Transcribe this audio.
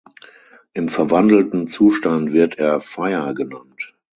Im verwandelten Zustand wird er Fire genannt.